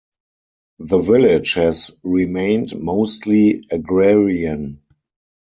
The village has remained mostly agrarian.